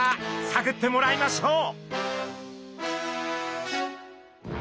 さぐってもらいましょう。